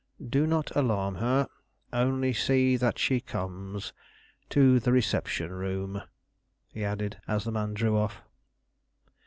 Do not alarm her; only see that she comes. To the reception room," he added, as the man drew off.